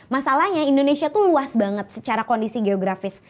masalahnya indonesia itu luas banget secara kondisi geografis